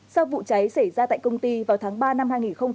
sau vụ cháy xảy ra tại công ty vào tháng ba năm hai nghìn một mươi bảy